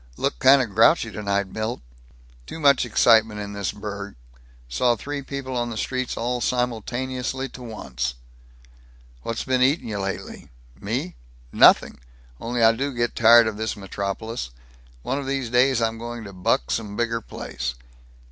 Look kind of grouchy tonight, Milt." "Too much excitement in this burg. Saw three people on the streets all simultaneously to once." "What's been eatin' you lately?" "Me? Nothing. Only I do get tired of this metropolis. One of these days I'm going to buck some bigger place."